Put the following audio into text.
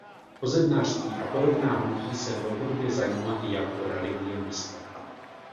O zednářství a podobná hnutí se dlouhodobě zajímá i jako religionista.